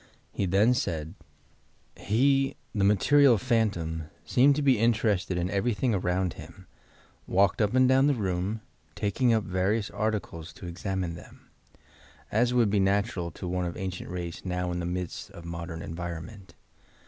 He then said :— L b MATERIALIZATION "repekoussion" "He (the materialized phantom) seemed to be inter ested in everything around him, walked up and down the room, taking up various articles to examine them, as would be natural to one of ancient race now in the midst of modem environment.